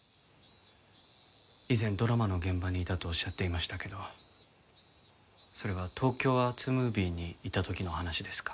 以前ドラマの現場にいたとおっしゃっていましたけどそれは東京アーツムービーにいた時の話ですか？